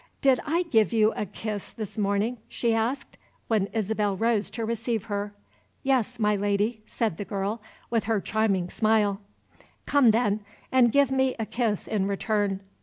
"Did I give you a kiss, this morning?" she asked, when Isabel rose to receive her. "Yes, my Lady," said the girl, with her charming smile. "Come, then, and give me a kiss in return.